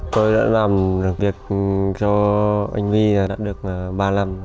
tôi đã làm được việc cho anh huy là đã được ba năm